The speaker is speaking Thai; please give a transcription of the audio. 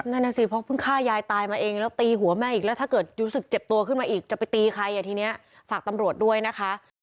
นั่นน่ะสิเพราะเพิ่งฆ่ายายตายมาเองแล้วตีหัวแม่อีกแล้วถ้าเกิดรู้สึกเจ็บตัวขึ้นมาอีกจะไปตีใครอ่ะทีนี้ฝากตำรวจด้วยนะคะ